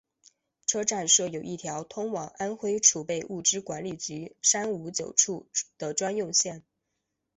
车站设有一条通往安徽储备物资管理局三五九处的专用线。